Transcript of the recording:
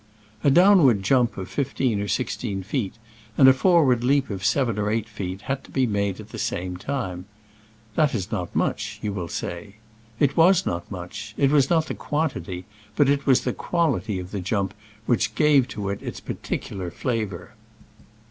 A downward jump of fifteen or six teen feet, and a forward leap of seven or eight feet, had to be made at the same time. That is not much, you will say. It was not much : it was not the quantity, but it was the quality of the jump which gave to it its particular flavor.